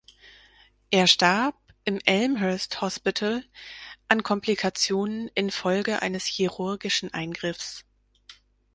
Er starb im "Elmhurst Hospital" an Komplikationen infolge eines chirurgischen Eingriffs.